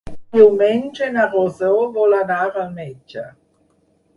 Diumenge na Rosó vol anar al metge.